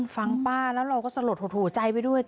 ฟังป้าแล้วเราก็สลดหดหูใจไปด้วย